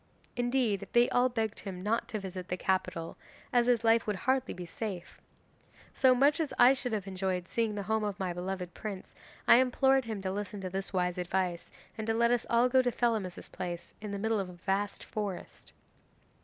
Indeed, they all begged him not to visit the capital, as his life would hardly be safe. So, much as I should have enjoyed seeing the home of my beloved prince, I implored him to listen to this wise advice and to let us all go to Thelamis's palace in the middle of a vast forest.